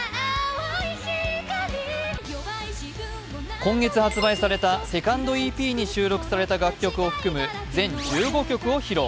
今月発売されたセカンドＥＰに収録された楽曲を含む全１５曲を披露。